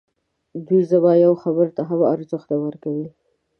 دوی زما یوې خبري ته هم ارزښت نه ورکوي.